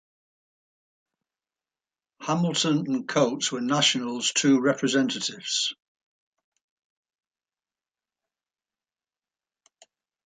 Hamilton and Coates were National's two representatives.